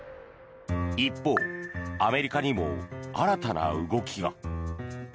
一方、アメリカにも新たな動きが。